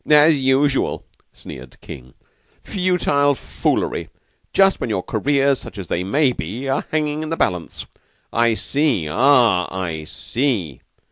"As usual!" sneered King. "Futile foolery just when your careers, such as they may be, are hanging in the balance. I see! Ah, I see!